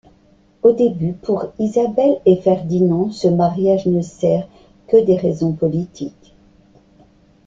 Au début, pour Isabelle et Ferdinand, ce mariage ne sert que des raisons politiques.